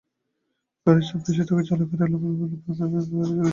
গাড়ির চাপ বেশি থাকায় চালকেরা এলোমেলোভাবে বিভিন্ন লেনে গাড়ি ঢুকিয়ে দিচ্ছেন।